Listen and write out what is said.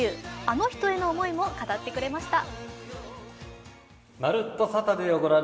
あの人への思いも語ってくれました。